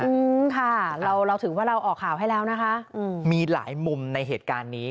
อืมค่ะเราเราถือว่าเราออกข่าวให้แล้วนะคะอืมมีหลายมุมในเหตุการณ์นี้